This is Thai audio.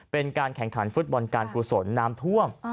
เป็นการแข่งขันฟุตบอลการกุศลน้ำท่วม